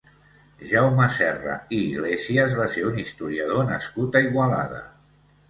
Jaume Serra i Iglesias va ser un historiador nascut a Igualada.